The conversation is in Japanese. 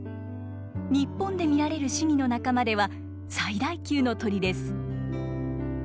日本で見られるシギの仲間では最大級の鳥です。